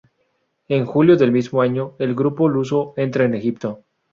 En julio del mismo año, el grupo luso entra en Egipto.